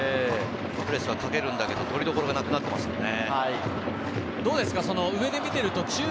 プレスはかけるんだけど、取りどころがなくなっていますね。